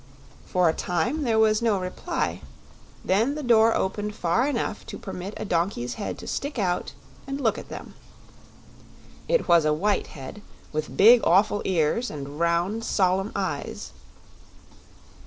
For a time there was no reply; then the door opened far enough to permit a donkey's head to stick out and look at them. It was a white head, with big, awful ears and round, solemn eyes.